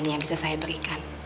yang bisa saya berikan